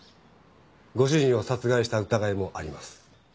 ご主人を殺害した疑いもあります。